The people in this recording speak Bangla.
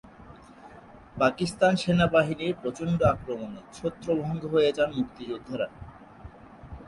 পাকিস্তান সেনাবাহিনীর প্রচণ্ড আক্রমণে ছত্রভঙ্গ হয়ে যান মুক্তিযোদ্ধারা।